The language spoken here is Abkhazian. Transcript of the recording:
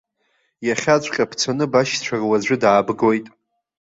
Иахьаҵәҟьа бцаны башьцәа руаӡәы даабгоит!